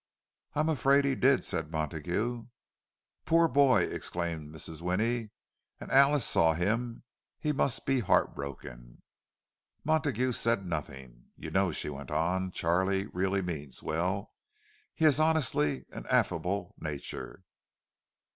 "I'm afraid he did," said Montague. "Poor boy!" exclaimed Mrs. Winnie. "And Alice saw him! He must be heartbroken!" Montague said nothing. "You know," she went on, "Charlie really means well. He has honestly an affectionate nature."